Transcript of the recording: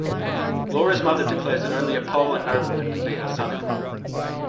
Laura's mother declares that only a Pole and nobleman can be her son-in-law.